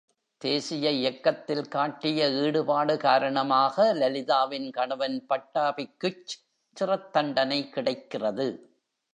தேசிய இயக்கத்தில் காட்டிய ஈடுபாடு காரணமாக, லலிதாவின் கணவன் பட்டாபிக்குச் சிறைத்தண்டனை கிடைக்கிறது.